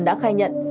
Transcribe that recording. đã khai nhận